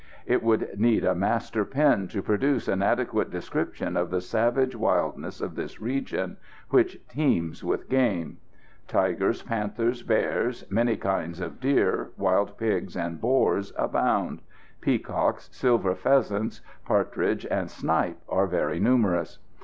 It would need a master pen to produce an adequate description of the savage wildness of this region, which teems with game. Tigers, panthers, bears, many kinds of deer, wild pigs and boars abound; peacocks, silver pheasants, partridges and snipe are very numerous.